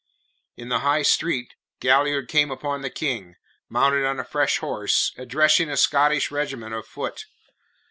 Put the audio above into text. In the High Street Galliard came upon the King, mounted on a fresh horse, addressing a Scottish regiment of foot.